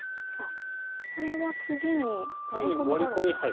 これは次にワリコミがあるんですか。